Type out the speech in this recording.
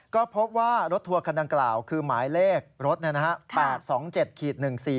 ก็พบว่ารถทัวร์คำดังกล่าวคือหมายเลขรถเนี่ยนะฮะ